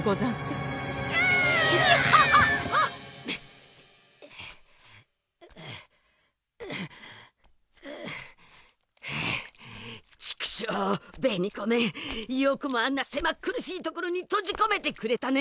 よくもあんなせまっ苦しい所に閉じこめてくれたね！